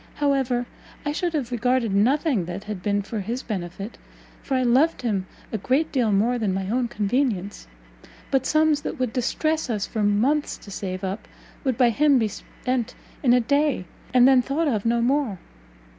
However, I should have regarded nothing that had but been for his benefit, for I loved him a great deal more than my own convenience; but sums that would distress us for months to save up, would by him be spent in a day, and then thought of no more!